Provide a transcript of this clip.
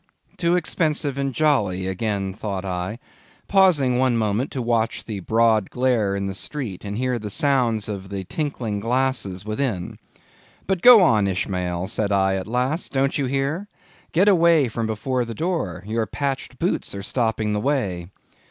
Too expensive and jolly, again thought I, pausing one moment to watch the broad glare in the street, and hear the sounds of the tinkling glasses within. But go on, Ishmael, said I at last; don't you hear? get away from before the door; your patched boots are stopping the way.